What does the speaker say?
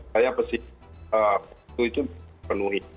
saya pasti itu penuhi